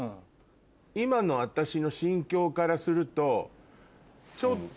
今の私の心境からすると。